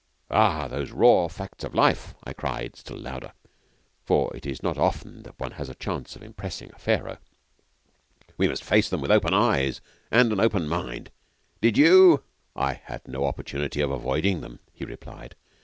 'Ah, those raw facts of life!' I cried, still louder; for it is not often that one has a chance of impressing a Pharaoh.' We must face them with open eyes and an open mind! Did you?' 'I had no opportunity of avoiding them,' he replied.